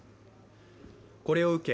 これを受け